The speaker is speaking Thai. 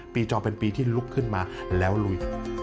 จอเป็นปีที่ลุกขึ้นมาแล้วลุย